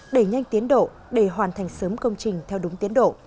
đẩy nhanh tiến độ để hoàn thành sớm công trình theo đúng tiến độ